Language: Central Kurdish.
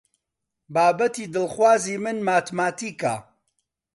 بابەتی دڵخوازی من ماتماتیکە.